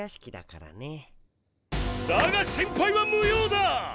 だが心配は無用だ！